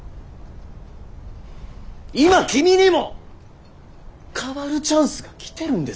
今君にも変わるチャンスが来てるんですよ。